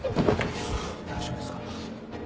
大丈夫ですか？